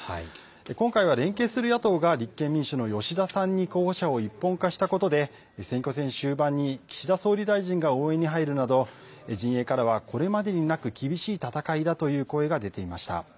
今回は連携する野党が立憲民主の吉田さんに候補者を一本化したことで選挙戦終盤に岸田総理大臣が応援に入るなど陣営からはこれまでになく厳しい戦いだという声が出ていました。